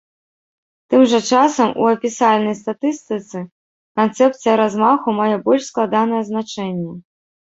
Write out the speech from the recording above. Тым жа часам у апісальнай статыстыцы, канцэпцыя размаху мае больш складанае значэнне.